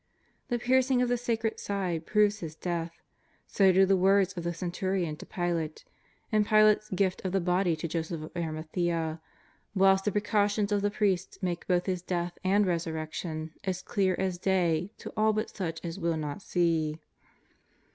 The piercing of the sacred Side proves His death* so do the words of the cen turion to Pilate, and Pilate's gift of the body to Joseph of Arimathea, whilst the precautions of the priests make both His Death and Resurrection as clear as day to all but such as will not see.